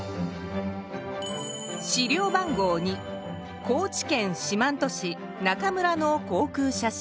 資料番号２高知県四万十市中村の航空写真。